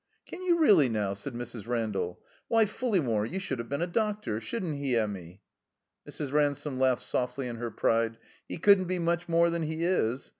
"Can you redly now?" said Mrs. Randall. "Why, Fulleymore, you should have been a doctor. Shouldn't he, Emmy?" Mrs. Ransome laughed softly iu her pride. "He couldn't be much more than He is.